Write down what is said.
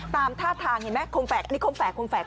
ตามท่าทางเห็นไหมโคมแฟกอันนี้โคมแฟกแล้ว